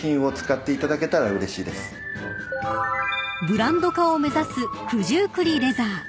［ブランド化を目指す九十九里レザー］